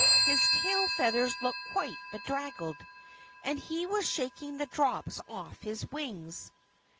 His tail feathers looked quite bedraggled. And he was shaking the drops off his wings.